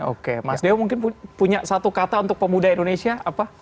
oke mas deo mungkin punya satu kata untuk pemuda indonesia apa